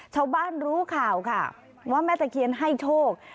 ชาวบ้านรู้ข่าวค่ะว่าแม่ตะเคียนให้โชค